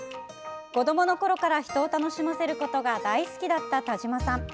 子どものころから人を楽しませることが大好きだった田島さん。